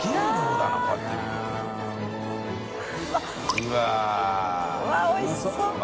うわっおいしそう。